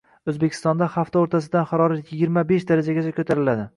O‘zbekistonda hafta o‘rtasidan haroratyigirma beshdarajagacha ko‘tariladi